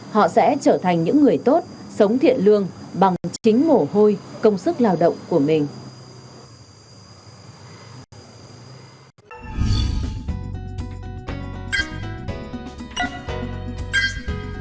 họ sẽ trở thành những người tốt sống thiện lương bằng chính mồ hôi công sức lao động của mình